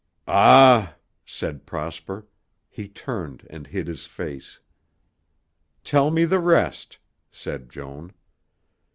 "Ah!" said Prosper. He turned and hid his face. "Tell me the rest," said Joan.